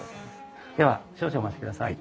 では少々お待ちください。